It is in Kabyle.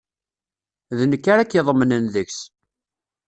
D nekk ara k-iḍemnen deg-s.